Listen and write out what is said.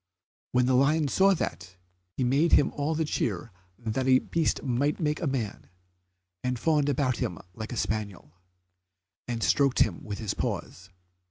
When the lion saw that, he made him all the cheer that a beast might make a man, and fawned about him like a spaniel, and stroked him with his paws.